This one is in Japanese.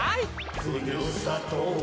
「ふるさとは」